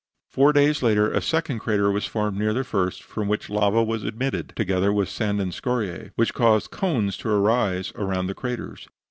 Four days later a second crater was formed near the first, from which lava was emitted, together with sand and scoriae, which caused cones to arise around the craters.